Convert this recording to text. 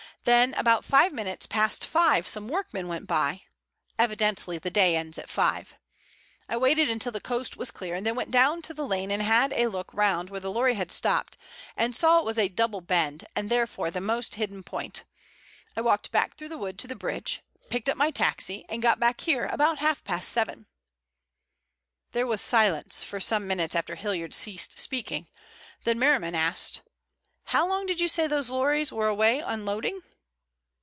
Then about five minutes past five some workmen went by—evidently the day ends at five. I waited until the coast was clear, then went down to the lane and had a look round where the lorry had stopped and saw it was a double bend and therefore the most hidden point. I walked back through the wood to the bridge, picked up my taxi and got back here about half past seven." There was silence for some minutes after Hilliard ceased speaking, then Merriman asked: "How long did you say those lorries were away unloading?"